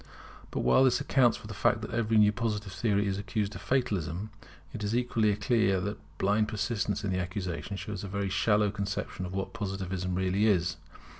But while this accounts for the fact that every new Positive theory is accused of Fatalism, it is equally clear that blind persistence in the accusation shows a very shallow conception of what Positivism really is.